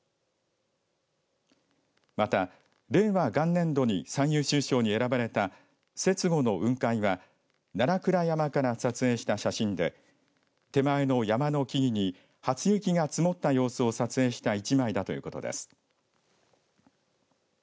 また、令和元年度に最優秀賞に選ばれた雪後の雲海は奈良倉山から撮影した写真で手前の山の木々に初雪が積もった様子を撮影した１枚だということです。